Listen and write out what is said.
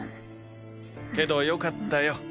けどよかったよ。